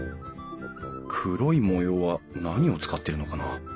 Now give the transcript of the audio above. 黒い模様は何を使ってるのかな？